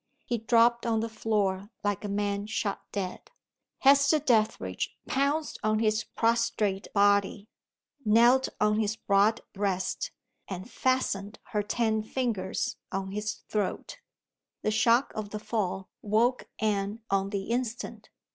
He dropped on the floor, like a man shot dead. Hester Dethridge pounced on his prostrate body knelt on his broad breast and fastened her ten fingers on his throat. The shock of the fall woke Anne on the instant.